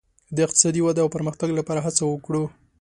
د اقتصادي ودې او پرمختګ لپاره هڅه وکړو.